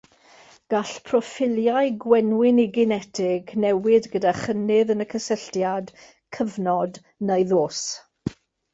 Gall proffiliau gwenwyniginetig newid gyda chynnydd yn y cysylltiad, cyfnod neu ddôs.